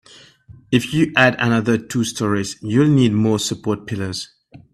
If you add another two storeys, you'll need more support pillars.